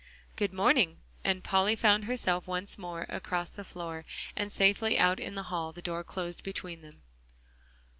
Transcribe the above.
"Good morning," and Polly found herself once more across the floor, and safely out in the hall, the door closed between them.